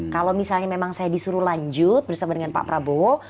kalau misalnya memang saya disuruh lanjut bersama dengan pak prabowo